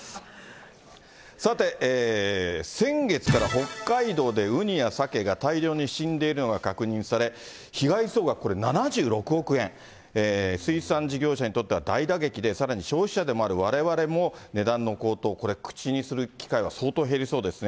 さて、先月から北海道でウニやサケが大量に死んでいるのが確認され、被害総額７６億円、水産事業者にとっては大打撃で、さらに消費者でもあるわれわれも、値段の高騰、これ、口にする機会は相当減りそうですね。